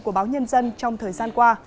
của báo nhân dân trong thời gian qua